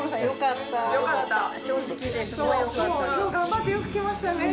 よかった。